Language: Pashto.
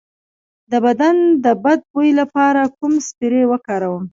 د بدن د بد بوی لپاره کوم سپری وکاروم؟